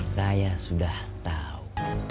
saya sudah tahu